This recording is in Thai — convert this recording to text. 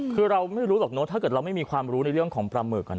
คือเราไม่รู้หรอกเนอะถ้าเกิดเราไม่มีความรู้ในเรื่องของปลาหมึก